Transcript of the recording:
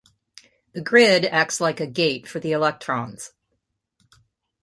The grid acts like a gate for the electrons.